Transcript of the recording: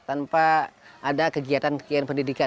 tanpa ada kegiatan kegiatan pendidikan